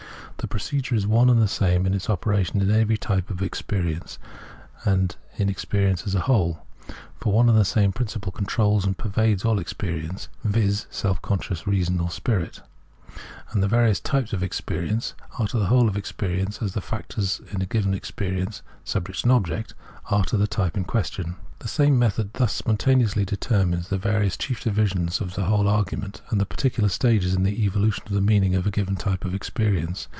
This procedure is one and the same in I its operation in every type of experience and in ! experience as a whole ; for one and the same prijiciple controls and pervades all experience (viz. sel'f conscious reason or Spirit), and the various types of exiperience are to the whole of experience as the factors in' a given experience (subject and object) are to the type in question. The same method thus spontan eously determines the various chief divisions of the whole argument, and the particular stages in the evolu tion of the meaning of a given type of experience.